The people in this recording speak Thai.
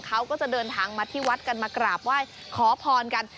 เขาก็จะเดินทางมาที่วัดกันมากราบไหว้ขอพรกัน